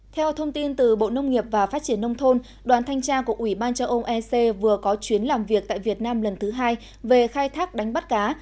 theo thông tin từ bộ nông nghiệp và phát triển nông thôn đoàn thanh tra của ủy ban châu âu ec vừa có chuyến làm việc tại việt nam lần thứ hai về khai thác đánh bắt cá